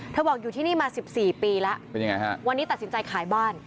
บอกอยู่ที่นี่มา๑๔ปีแล้วเป็นยังไงฮะวันนี้ตัดสินใจขายบ้าน